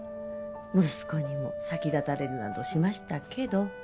息子にも先立たれるなどしましたけど。